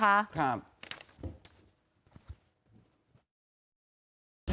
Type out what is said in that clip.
ครับ